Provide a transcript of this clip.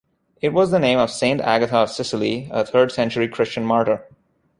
It was the name of Saint Agatha of Sicily, a third-century Christian martyr.